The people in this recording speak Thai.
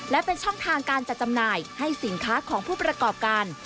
และเป็นช่องทางการจัดจำหน่ายให้สินค้าของผู้ประกอบการ